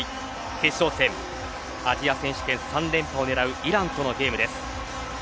決勝戦、アジア選手権３連覇を狙うイランとのゲームです。